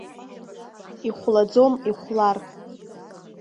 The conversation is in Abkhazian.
Ихәлаӡом, ихәлар.